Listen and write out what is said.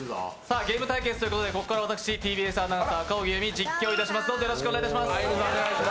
ゲーム対決ということでここから私、ＴＢＳアナウンサー赤荻歩、実況いたします。